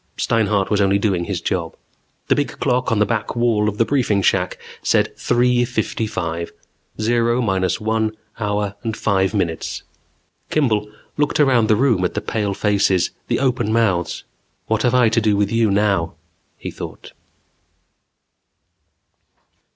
Steinhart was only doing his job. The big clock on the back wall of the briefing shack said three fifty five. Zero minus one hour and five minutes. Kimball looked around the room at the pale faces, the open mouths. What have I to do with you now, he thought?